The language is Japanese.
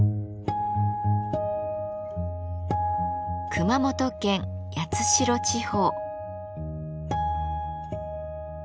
熊本県八代地方。